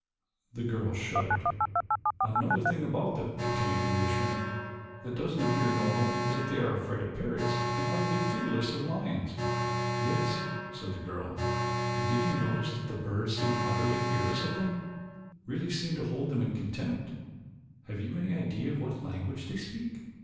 The girl shuddered. "Another thing about them," continued the Englishman, "that doesn't appear normal is that they are afraid of parrots and utterly fearless of lions." "Yes," said the girl; "and did you notice that the birds seem utterly fearless of them really seem to hold them in contempt? Have you any idea what language they speak?"